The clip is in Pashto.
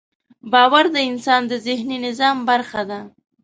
باور د انسان د ذهني نظام برخه ده.